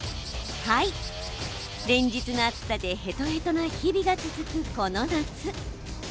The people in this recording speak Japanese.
連日の暑さでへとへとな日が続くこの夏。